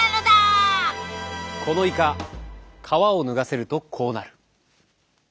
このイカ皮を脱がせるとこうなる。